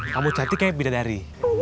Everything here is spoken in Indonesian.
kamu cantik kayak bidadari